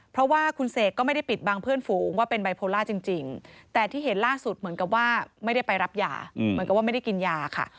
เพราะว่าคุณเสกก็ไม่ได้ปิดบังเพื่อนฝูงว่าเป็นไบโพล่าจริงแต่ที่เห็นล่าสุดเหมือนกับว่าไม่ได้ไปรับยาเหมือนกับว่าไม่ได้กินยาค่ะ